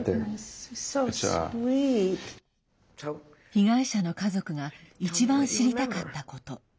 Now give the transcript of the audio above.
被害者の家族が一番知りたかったこと。